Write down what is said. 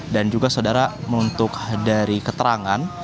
dan juga saudara untuk dari keterangan